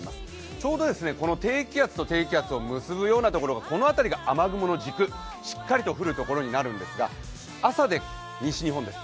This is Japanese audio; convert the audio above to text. ちょうどこの低気圧と低気圧を結ぶようなところこの辺りが雨雲の軸、しっかりと降るところとなるんですが、朝で西日本です。